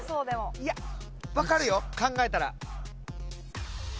いやわかるよ考えたら。